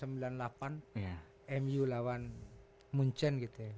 mu lawan munchen gitu ya